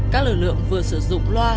các lực lượng vừa sử dụng loa